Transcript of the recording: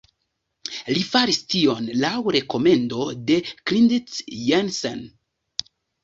Li faris tion laŭ rekomendo de Klindt-Jensen.